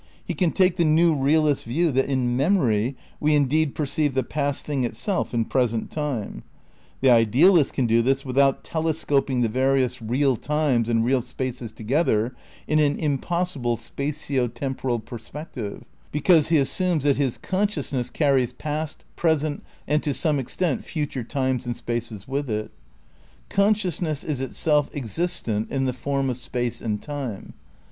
He can take the new realist's view that in memory we indeed per ceive the past thing itself in present time. The ideal ist can do this without telescoping the various "real" times and "real" spaces together in an impossible * The Nature of the Datum (Essays in Critical Bealism), p. 238. 138 THE NEW IDEALISM in spatio temporal perspective, because lie assumes that Ms consciousness carries past, present and to some extent future times and spaces with it. Consciousness is itself existent in the form of space and time.